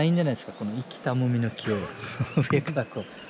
この生きたモミの木を上からこう。